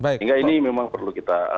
sehingga ini memang perlu kita